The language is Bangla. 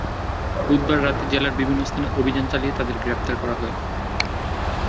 বুধবার রাতে জেলার বিভিন্ন স্থানে অভিযান চালিয়ে তাঁদের গ্রেপ্তার করা হয়।